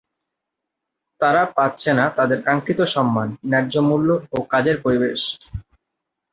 তারা পাচ্ছে না তাদের কাঙ্খিত সম্মান, ন্যায্য মূল্য ও কাজের পরিবেশ।